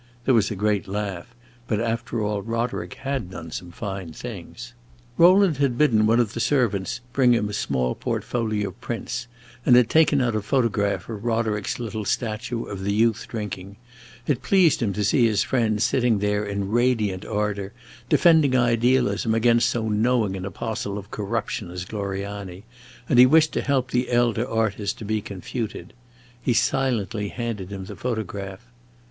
There was a great laugh; but after all, Roderick had done some fine things. Rowland had bidden one of the servants bring him a small portfolio of prints, and had taken out a photograph of Roderick's little statue of the youth drinking. It pleased him to see his friend sitting there in radiant ardor, defending idealism against so knowing an apostle of corruption as Gloriani, and he wished to help the elder artist to be confuted. He silently handed him the photograph.